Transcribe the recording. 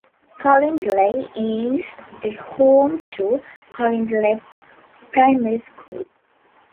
Colindale is the home to Colindale Primary School.